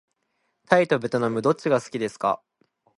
タイとべトナムどっちが好きですか。